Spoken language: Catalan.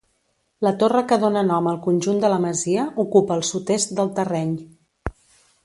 La torre que dóna nom al conjunt de la masia ocupa el sud-est del terreny.